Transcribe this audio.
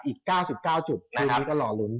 อีก๙๙จุดทีนี้ก็หล่อลุ้น